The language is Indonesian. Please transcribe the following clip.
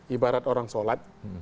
ibarat orang sholat